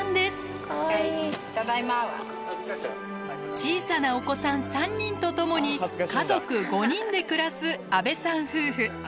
小さなお子さん３人とともに家族５人で暮らす安部さん夫婦。